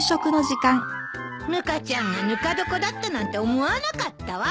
ぬかちゃんがぬか床だったなんて思わなかったわ。